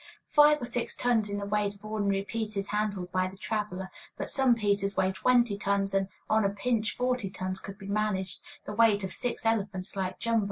Five or six tons is the weight of ordinary pieces handled by the traveler, but some pieces weigh twenty tons, and, on a pinch, forty tons could be managed, the weight of six elephants like Jumbo.